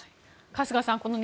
春日さん